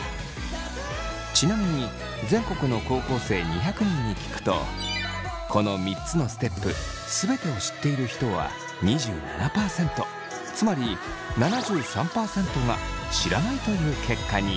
ちなみに全国の高校生２００人に聞くとこの３つのステップ全てを知っている人は２７％つまり７３％が知らないという結果に。